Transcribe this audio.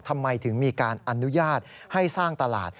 ทำไมถึงมีการอนุญาตให้สร้างตลาด